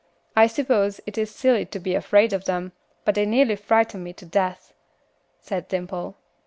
"I suppose it is silly to be afraid of them, but they nearly frighten me to death," said Dimple.